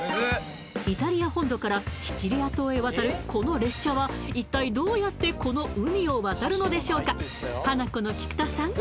イタリア本土からシチリア島へ渡るこの列車は一体どうやってこの海を渡るのでしょうかハナコの菊田さん